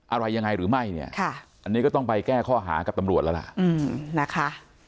อะไรยังไงหรือไม่เนี่ยอันนี้ก็ต้องไปแก้ข้อหากับตำรวจแล้วล่ะนะคะ